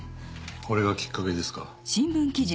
これがきっかけですか？